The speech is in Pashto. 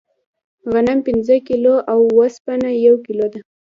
غنم پنځه کیلو او اوسپنه یو کیلو ده.